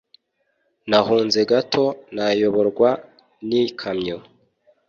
Nahunze gato nayoborwa n'ikamyo